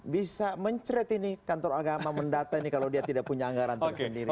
bisa mencret ini kantor agama mendata ini kalau dia tidak punya anggaran tersendiri